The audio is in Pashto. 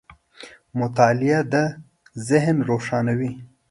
• مطالعه د ذهن روښانوي.